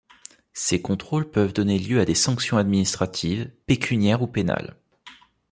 Ces contrôles peuvent donner lieu à des sanctions administratives, pécuniaires ou pénales.